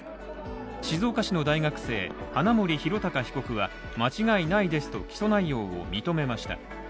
静岡市の大学生、花森弘卓被告は間違いないですと起訴内容を認めました。